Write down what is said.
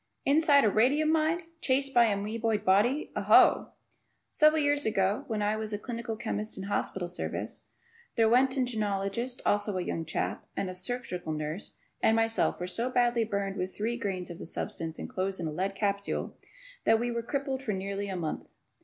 Inside of a radium mine! Chased by an amoeboid body! Ooh! Several years ago when I was a clinical chemist in hospital service, the Roentgenologist, also a young chap, and a surgical nurse and myself were so badly burned with three grains of the substance enclosed in a lead capsule that we were crippled for nearly a month.